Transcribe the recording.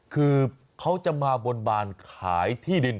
คือเขาจะมาบนบานขายที่ดิน